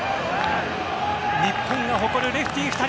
日本が誇るレフティ２人。